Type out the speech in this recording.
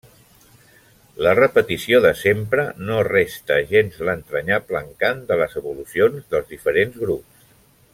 La repetició de sempre no resta gens l'entranyable encant de les evolucions dels diferents grups.